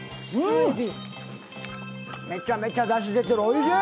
めちゃめちゃだし出てる、おいしい！。